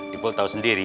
dipo tau sendiri